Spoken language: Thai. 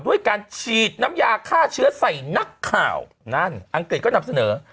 ด้วยการฉีดน้ำยาฆ่าเชื้อใส่นักข่าวนั่นอังกฤษก็นำเสนอ